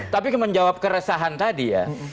tapi menjawab keresahan tadi ya